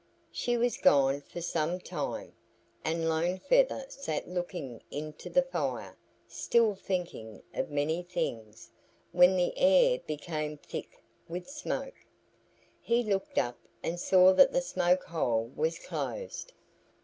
She was gone for some time, and Lone Feather sat looking into the fire, still thinking of many things, when the air became thick with smoke. He looked up and saw that the smoke hole was closed.